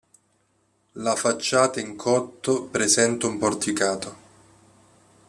La facciata in cotto presenta un porticato.